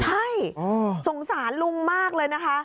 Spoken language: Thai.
ใช่สงสารลุงมากเลยนะคะ